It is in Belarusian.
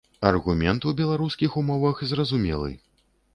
Аргумент у беларускіх умовах зразумелы.